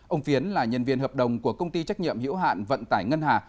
ông phiến là nhân viên hợp đồng của công ty trách nhiệm hiểu hạn vận tải ngân hà